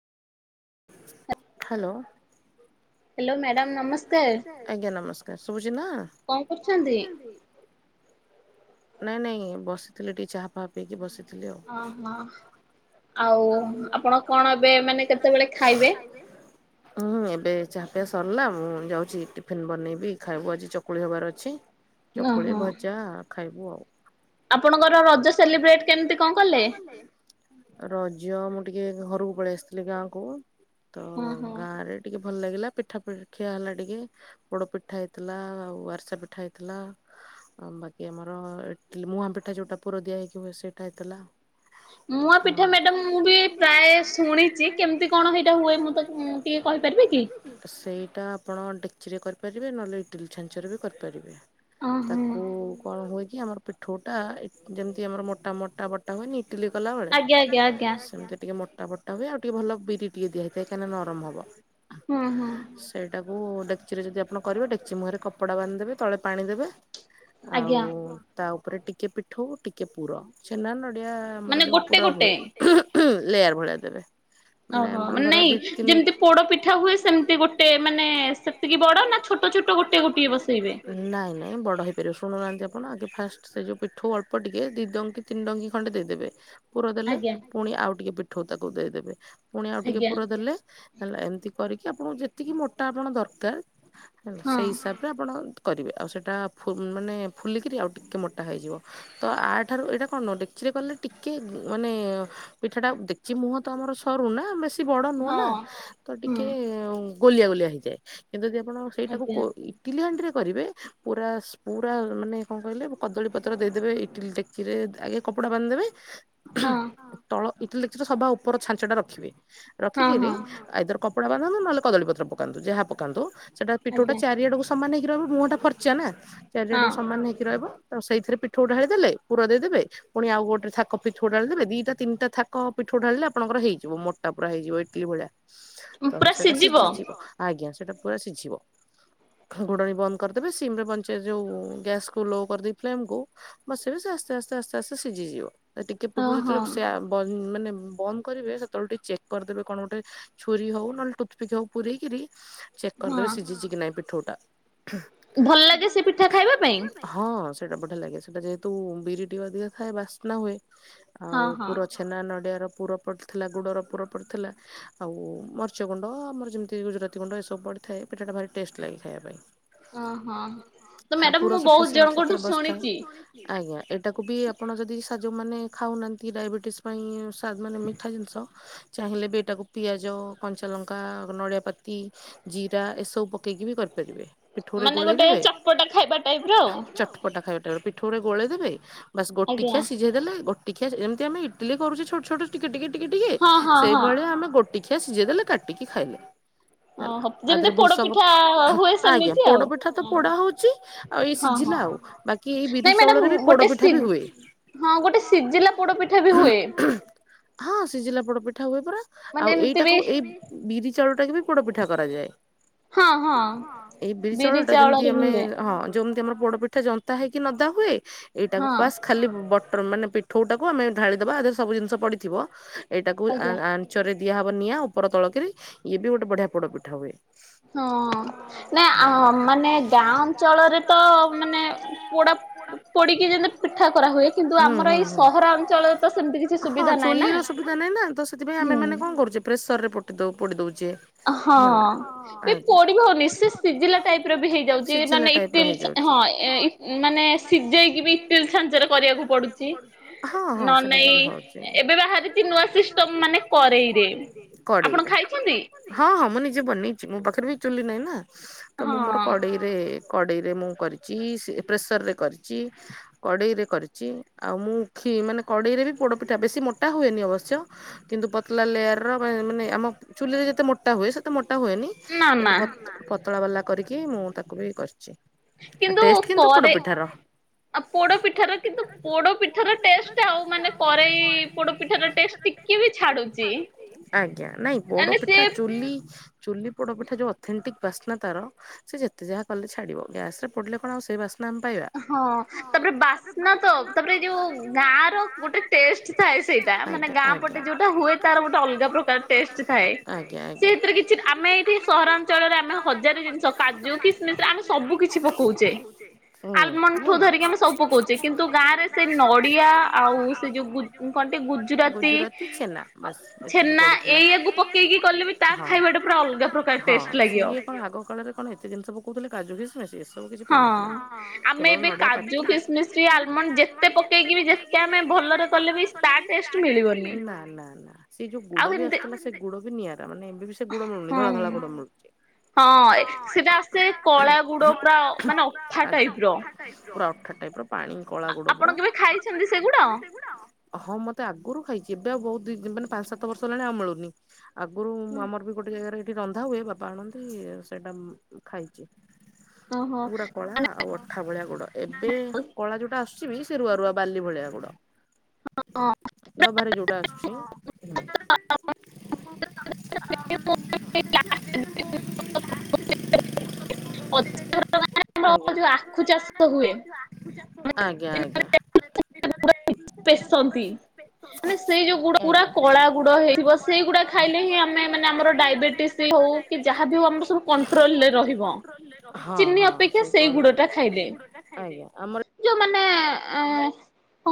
Hello. ଆଜ୍ଞା ନମସ୍କାର୍ ଶୁଭୁଚି ନାଁ ନାଇଁ ନାଇଁ ବସିଥିଲି ଟିକେ, ଚାହା ଫାହା ପିଇକି ବସିଥିଲି ଆଉ। ଓ ହଁ ଆଉ ଆପଣ କଣ ଏବେ ମାନେ କେତେବେଳେ ଖାଇବେ? ମୁଁ ଏବେ ଚାହା ପିଆ ସରିଲା ମୁଁ ଯାଉଛି ଟିଫିନ୍ ବନେଇବି ଖାଇବୁ ଆଜି ଚକୁଳି ହେବାର ଅଛି। ଚକୁଳି ଭଜା ଖାଇବୁ ଆଉ। ଆପଣଙ୍କର ରଜ ସେଲିବ୍ରେଟ୍ କେମିତି କଣ କଲେ? ରଜ ମୁଁ ଟିକେ ଘରକୁ ପଳେଇ ଆସିଥିଲି ଗାଁ କୁ, ତ ଗାଁରେ ଟିକେ ଭଲ ଲାଗିଲା ପିଠାା ପିର୍ ଖିଆ ହେଲା ଟିକେ। ପୋଡ ପିଠା ହେଇଥିଲା ଆଉ ଆରିସା ପିଠା ହେଇଥିଲା। ଆଉ ବାକି ଆମର ଇଟଲି ମୁହାଁ ପିଠା ଯୋଉଟା ପୁର ଦିଆ ହେଇକି ହୁଏ ସେଇଟା ହେଇଥିଲା। ଆଉ ସେଇଟା ଆପଣ ଡେକଚିରେ କରିପାରିବେ, ନହେଲେ ଇଟିଲି ଛାଞ୍ଚରେ ବି କରିପାରିବେ। ତାକୁ କଣ ହୁଏ କି ଆମର ପିଠଉଟା ଏ ଯେମିତି ଆମର ମୋଟା ମୋଟା ବଟା ହୁଏନି ଟିଲି କଲାବେଳେ? ସେମିତି ଟିକେ ମୋାଟା ବଟା ହୁଏ, ଆଉ ଟିକେ ଭଲ ବିରି ଟିକି ଦିଆହେଇଥାଏା କାହିଁକିନା ନରମ ହବ। ହଁ, ହଁ। ସେଇଟାକୁ ଡେକଚି ରେ ଯଦି ଆପଣ କରିବେ ଡେକଚି ମୁହଁରେ କପଡ଼ା ବାନ୍ଧି ଦେବେ ତଳେ ପାଣି ଦେବେ। ଆଉ ତା ଉପରେ ଟିକେ ପିଠଉ ଟିକେ ପୁର ଛେନା ନଡିଆ ଆମର ଯୋଉ ପୁର ହୁଏ। ଲେୟାର୍ ଭଳିଆ ଦେବେ। ଓହୋ, ମାନେ ନାଇଁ ଯେମିତି ପୋଡ ପିଠା ହୁଏ ସେମିତି ଗୋଟେ ମାନେ ସେତିକି ବଡ ନା ଛୁ ଟ ଛୁଟ ଗୋଟେ ଗୋଟିଏ ବସେଇବେ? ନାାଇଁ ନାହିଁ ବଡ଼ ହୋଇପାରିବ ଶୁଣୁନାହାନ୍ତି ଆପଣ ଆଗେ ଫାଷ୍ ସେ ଯୋଉ ପିଠଉ ଅଳ୍ପ ଟିକେ ଦି ଡଙ୍କି ତିନି ଡଙ୍କି ଖଣ୍ଡେ ଦେଇଦେବେ। ପୁର ଦେଲେ ପୁଣି ଆଉ ଟିକେ ପିଠଉ ତାକୁ ଦେଇଦେବେ। ପୁଣି ଆଉ ଟିକେ ପୁର ଦେଲେ ହେଲା ଏମିତି କରିକି ଆପଣଙ୍କୁ ଯେତିକି ମୋଟା ଆପଣ ଦରକାର ହେଲା ସେଇ ହିସାବ ରେ ଆପଣ କରିବେ। ଆଉ ସେଟା ଫୁ-ମାନେ ଫୁଲିକିରି ଆଉ ଟିକେ ମୋଟା ହେଇଯିବ। ତ ଆ ଠାରୁ ଏଇଟା କଣ ଡେକଚିରେ କଲେ ଟିକେ ଗୁ-ମାନେ ପିଠା ଟା ଡେକଚି ମୁହଁ ତ ଆମର ସରୁ ନା ବେଶୀ ବଡ ନୁହଁ ନା? ତ ଟିକେ ଉଁ, ଗୋଲିଆ ଗୋଲିଆ ହେଇଯାଏ କିନ୍ତୁ ଯଦି ଆପଣ ସେଇଟାକୁ କୋ-ଇଟିଲି ହାଣ୍ଡିରେ କରିବେ ପୁରା ପୁରା ମାନେ କଣ କହିଲେ କଦଳୀ ପତ୍ର ଦେଇଦେବେ ଇଟିଲି ଡେକଚିରେ ଆଗେ କପଡା ବାନ୍ଧିଦେବେ। ତଳ ଇଟଲି ଡେକଚିର ସବା ଉପର ଛାଞ୍ଚ ଟା ରଖିବେ। ରଖିକିରି ଆଇଦର୍ କପଡା ବାନ୍ଧନ୍ତୁ ନହଲେ କଦଳୀ ପତ୍ର ପକାନ୍ତୁ ଯାହା ପକାନ୍ତୁ, ସେଟା ପିଠଉଟା ଚାରିଆଡକୁ ସମାନ ହେଇକି ରହିବ, ମୁହଁ ଟା ଫର୍ଚା ନା ଚାରିଆଡୁ ସମାନ ହେଇକି ରହିବ। ତ ସେଇଥିରେ ପିଠଉ ଢାଳି ଦେଲେ ପୁର ଦେଇଦେବେ, ପୁଣି ଆଉ ଗୋଟେ ଥାକ ପିଠଉ ଢାଳି ଦେବେ। ଦି ତ ତିନି ଟା ଥାକ ପିଠଉ ଢାଳିଲେ ଆପଣଙ୍କର ହେଇଯିବ ମୋଟା ପୂରା ହେଇଯିବ ଇଟଲି ଭଳିଆ। [unintelligible] ପୁରା ସିଜିବ? ଆଜ୍ଞା ସେଟା ପୁରା ସିଝିବ। ଘୁଡଣୀ ବନ୍ଦ କରିଦେବେ ସିମ ରେ ବଞ୍ଚେ ଯୋଉ ଗ୍ୟାସ୍ କୁ ଲୋ କରିଦେଇ ଫ୍ଲେମ୍ କୁୁ ବସେଇବେ ସେ ଆସ୍ତେ ଆସ୍ତେ ଆସ୍ତେ ଆସ୍ତେ ସିଜିଯିବ। ଆ, ଟିକେ ପୂର୍ବରୁ ତା ବନ୍ ମାନେ ବନ୍ଦ କରିବେ ସେତେବେଳେ ଟିକେ ଚେକ୍ କରିଦେବେ କଣ ଗୋଟେ ଛୁରୀ ହଉ ନହେଲେ ଟୁଥପିକ୍ ହଉ ପୁରେଇକିରି ଚେକ୍ କରିଦେବେ ସିଝିଛି କି ନାଇଁ ପିଠଉ ଟା। ଭଲ ଲାଗେ ସେ ପିଠା ଖାଇବା ପାଇଁ? ହଁ ସେଇଟା ବଢିଆ ଲାଗେ, ସେଟା ଯେହେତୁ ବିରି ଟିକେ ଅଧିକ ଥାଏ ବାସ୍ନା ହୁଏ। ଆଉ ପୁର ଛେନା ନଡ଼ିଆର ପୁର ପଡିଥିଲା, ଗୁଡ଼ର ପୁର ପଡ଼ିଥିଲା ଆଉ ମରିଚ ଗୁଣ୍ଡ ଆମର ଯେମିତି ଗୁଜୁରା ତି ଗୁଣ୍ଡ ଏସବୁ ପଡ଼ିଥାଏ ପିଠାଟା ଭାରି ଟେଷ୍ଟ ଲାଗେ ଖାଇବା ପାଇଁ। ଓହୋ, ତ ମ୍ୟାଡାମ ମୁଁ ବହୁତ ଜଣଙ୍କଠୁ ଶୁଣିଚି। ଆଜ୍ଞା ଏଇଟାକୁ ବି ଆପଣ ଯଦି ସା ଯୋଉ ମାନେ ଖାଉନାହାନ୍ତି ଡାଇବେଟିସ୍ ପାଇଁ ସାଦ ମାନେ ମିଠା ଜିନିଷ ଚାହିଁଲେ ବି ଏଇଟାକୁ ପିଆଜ କଞ୍ଚାଲଙ୍କା ନଡ଼ିଆପାତି। ଜିରା ଏସବୁ ପକେଇକି ବି କରିପାରିବେ। ପିଠୋଉରେ ଗୋଳେଇ ଦେବେ ଠୋଉରେ ଗୋଳେଇ ଦେବେ ବାସ ଗୋଟ ଖିଆ ସିଝେଇ ଦେଲେ ଗୋଟେ ଖିଆ ଯେମିତି ଆମେ ଇଟିଲି କରୁଛ ଛୋଟ ଛୋଟ ଟିକେ ଟିକେ ଟିକେ ଟିକେ ସେଇ ଭଳିଆ ଆମେ ଗୋଟେ ଖିଆ ସିଝେଇ ଦେଲେ କାଟିକି ଖାଇଲେ। ହେଲା ଆ ଦେହେରେ ଭୃସଙ୍ଗ ବାକି ଏଇ ବିରି ଚାଉଳରେ ବି ପୋଡ଼ପିଠା ବି ହୁଏ। ହଁ ଗୋଟେ ସିଜିଲା ପୋଡପିଠା ବି ହୁଏ। ହଁ ସିଝିଲା ପୋଡପିଠା ହୁଏ ପର ଆଉ ଏଇଟାକୁ ଏଇ ବିରି ଚାଉଳ ଟାକୁ ବି ପୋଡପିଠା କରାଯାଏ। ହଁ ହଁ। ଠା ଜନ୍ତା ହେଇକି ନଦା ହୁଏ ଏଇଡ଼ାକୁ ବାସ୍ ଖାଲି ବଟର ମାନେ ପି ଠୋଉଟାକୁ ଆମେ ଢାଳିଦବା ଆ ଦେହରେ ସବୁ ଜିନିଷ ପଡ଼ିଥିବ ଏଇଟାକୁ [unintelligible] ଚରେ ଦିଆହବ ନିଆଁ ଉପର ତଳ କିରି ଇଏ ବି ଗୋଟେ ବଢିଆ ପୋଡୋ ପିଠା ହୁଏ। ହଁ ନାଇଁ ଆ ମାନେ ଗାଁ ଅଞ୍ଚଳରେ ତ ମାନେ ପୋଡୋ ପୋଡିକି ଯେମିତି ପିଠା କରା ହୁଏ କିନ୍ତୁ ଆମର ଏଇ ସ ସହରା ଅଞ୍ଚଳରେ ତ ସେମିତି କିଛି ସୁବିଧା ନାହିଁ ନା ହୁଁ। ପ୍ରେସରରେ ପୋଟି ଦୋ ପୋଡ଼ି ଦେଉଚେ। ହଁ ଏ ପୋଡି ବି ହୋଉନି ସେ ସିଜିଲା ଟାଇପ ର ବି ହେଇଯାଉଚି ଏ ନଃନେ ଇ ଟିଲ୍ ଛା ହଁ ଏ ଏଇ ମାନେ ସିଜେଇକି ବି ଇଟିଲ ଛାଞ୍ଚରେ କରିବାକୁ ପଡୁଚି। ନ ନେଇଁ ଏବେ ବାହାରିଚି ନୂଆ ସିଷ୍ଟମ ମାନେ କରେଇରେ। ଆପଣ ଖାଇଛନ୍ତି। ହଁ ହଁ ମୁଁ ନିଜେ ବନେଇଚି ମୋ ପାଖରେ ବି ଚୁଲି ନାଇଁ ନା ତ ମୁଁ ମୋର କଡେଇରେ କଡ଼େଇରେ ମୁଁ କରିଚି ସେ ପ୍ରେସରରେ କରିଚି କଡ଼େଇରେ କରିଚି ଆଉ ମୁଁ ଛି ମାନେ କଡ଼େଇରେ ବି ପୋଡୋ ପିଠା ବେଶୀ ମୋଟା ହୁଏନି ଅବଶ୍ୟ। କିନ୍ତୁ ପତଲା ଲେୟାର ମା ମାନେ ଆମ ଚୁଲିରେ ଯେତେ ମୋଟା ହୁଏ ସେତେ ମୋଟା ହୁଏନି। କିନ୍ତୁ ପତ ପତଳା ବାଲା କରିକି ମୁଁ ତାକୁ ବି କରିଚି। କିନ୍ତୁ କରେ ଆଉ ପୋଡୋ ପିଠାର କିନ୍ତୁ ପୋଡ ପି ଠାର ଟେଷ୍ଟ ଆଉ ମାନେ କରେଇ ପୋଡୋ ପିଠାର ଟେଷ୍ଟ ଟିକେ ବି ଛାଡୁଚି। ଆଜ୍ଞା ନାଇଁ ପୋଡୋପିଠା ଚୁଲି ଚୁଲି ପୋଡୋପିଠା ଯୋଉ ଅଥେଣ୍ଟିକ ବାସ୍ନା ତାର। ସେ ଯେତେ ଯାହା କଲେ ଛାଡିବ ଗ୍ୟାସରେ ପୋଡ଼ିଲେ କଣ ଆଉ ସେ ବାସ ହଁ ତାପରେ ବାସ ସ୍ନା ତ ତାପରେ ଯୋଉ ଗାଁ ର ଗୋଟେ ଟେଷ୍ଟ ଥାଏ ସେଇଟା ମାନେ ଗାଁ ପଟେ ଯୋଉଟା ହୁଏ। ତାର ଗୋଟେ ଅଲଗା ପ୍ରକାର ଟେଷ୍ଟ ଥାଏ ସିଏ ହେଥିରେ କିଛି ଆମେ ଏଠି ସହରା ଞ୍ଚଳରେ ଆମେ ହଜାରେ ଜିନିଷ କାଜୁ କିସମିସ ଆମେ ସବୁ କିଛି ପକୋଉଚେ। ଆଲମଣ୍ଡଠୁ ଧରିକି ଆମେ ସବୁ ପକୋଉଚେ କିନ୍ତୁ ଗାଁରେ ସେ ନ ସେ ନଡିଆ ଆଉ ସେ ଯୋଉ ଗୁ [unintelligible] ଛେନା ଏଇଆକୁ ପକେଇକି କଲେ ବି ତା ଖାଇବାଟା ପୁରା ଅଲଗା ପ୍ରକାର ଟେଷ୍ଟ ଲାଗିବ। କଣ ଆଗ କାଳରେ କଣ ଏତେ ଜିନିଷ୍ ପକୋଉଥୁଲେ କାଜୁ କିଶିମିସି [unintelligible] ସବୁ କିଛି ପଡୁନଥୁଲା। ତେ ପକେଇକି ବି ଯେତେ ଆମେ ଭଲରେ କଲେ ବି ତା ଟେଷ୍ଟ ଏ ଯୋଉ ଗୁଡ ବି ଆସୁଥୁଲା ସେ ଗୁଡ ବି ନିଆରା ମାନେ ଏବେ ବି ସେ ଗୁଡ ମିଳୁନି ଧଳା ଧଳା ଗୁଡ ହଁ ମିଳୁଚି। ହଁ ଏ ସେଟା ଆସେ କଳା ଗୁଡ ପୁରା ମାନେ ଅଠା ଟାଇପ୍ ର। ଟାଇପ୍ ର। ଗୁଡ଼। ଆଗୁରୁ ଆମର ବି ଗୋଟେ ଜାଗାରେ ହେଟି ରନ୍ଧା ହୁଏ ବାପା ଆଣନ୍ତି ସେଇଟା ଖାଇଚି ପୁରା କଳା ଆଉ ଅଠା ଭଳିଆ ଗୁଡ଼। ଏବେ କଳା ଯୋଉଟା ଆସୁଛିିବି ସେ ରୁଆ ରୁଆ ବାଲି ଭଳିଆ ଗୁଡ଼। ହଁ [inaudible] ଡଭା ରେ ଯୋଉଟା ଆସୁଚି। [unintelligible] ଅଜା ଘର ଗାଁ ରେ ଆମ ଯୋଉ ଆଖୁ ଚାଷ ଆଜ୍ଞା ଆଜ୍ଞା। [inaudible] ପେଶନ୍ତି। ମାନେ ସେଇ ଯୋଉ ଗୁଡ଼ ପୁରା କଳା ଗୁଡ ହେଇଥିବ ସେଇଗୁଡା ଖାଇଲେ ହିଁ ଆମେ ମାନେ ଆମର ଡାଇବେଟିସ୍ ହଉ କି ଯାହା ବି ହଉ ଆମର ସବୁ କଣ୍ଟ୍ରୋଲରେ ରହିବ। ହଁ ହଁ ସେଇ କଳ ଆଜ୍ଞା ଆମର ଯୋଉମାନେ ଏଁ